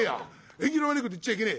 縁起の悪いこと言っちゃいけねえ！